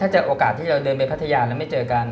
ถ้าเจอโอกาสที่เราเดินไปพัทยาแล้วไม่เจอกัน